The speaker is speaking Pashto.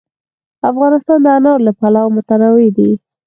افغانستان د انار له پلوه متنوع دی.